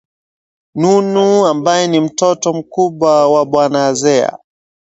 Nunu ambaye ni mtoto mkubwa wa bwana Azea